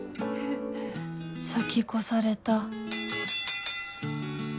先越された